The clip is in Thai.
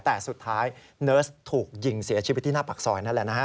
แต่สุดท้ายเนิร์สถูกยิงเสียชีวิตที่หน้าปากซอยนั่นแหละนะฮะ